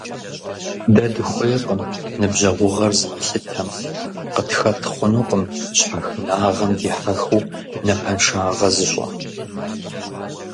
Дэ дыхуейкъым ныбжьэгъугъэр зымылъытэм, къытхэт хъунукъым щхьэхынагъэм дихьэхыу напэншагъэ зыщӀэ.